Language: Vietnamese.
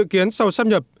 tự kiến sau sắp nhập